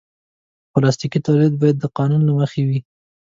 پلاستيکي تولید باید د قانون له مخې وي.